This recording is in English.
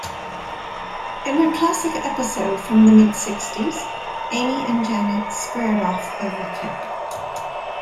In a classic episode from the mid-sixties, Amy and Janet squared off over Kip.